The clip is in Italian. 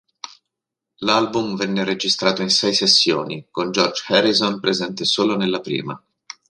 L'album venne registrato in sei sessioni, con George Harrison presente solo nella prima.